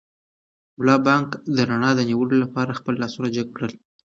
ملا بانګ د رڼا د نیولو لپاره خپل لاسونه جګ کړل.